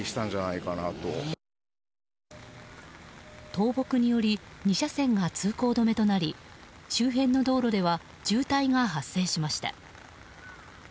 倒木により２車線が通行止めとなり周辺の道路では渋滞が発生しました。